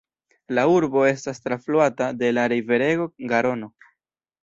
La urbo estas trafluata de la riverego Garono.